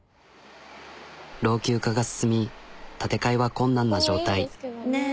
老朽化が進み建て替えは困難な状態。